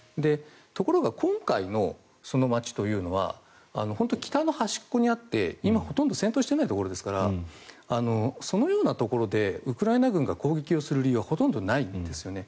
ところが今回の街というのは本当に北の端っこにあって今、ほとんど戦闘していないところですからそのようなところでウクライナ軍が攻撃をする理由はほとんどないんですよね。